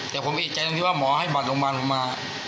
แต่ผมเอกใจตรงที่ว่าหมอให้บัตรโรงพยาบาลผมมา